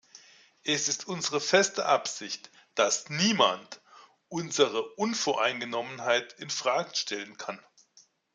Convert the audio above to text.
Es ist unsere feste Absicht, dass niemand unsere Unvoreingenommenheit infrage stellen kann.